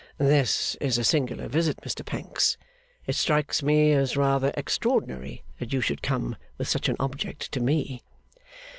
'This is a singular visit, Mr Pancks. It strikes me as rather extraordinary that you should come, with such an object, to me.